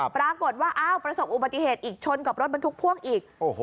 ปรากฏว่าอ้าวประสบอุบัติเหตุอีกชนกับรถบรรทุกพ่วงอีก